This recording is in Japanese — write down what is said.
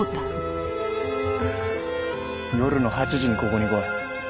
夜の８時にここに来い。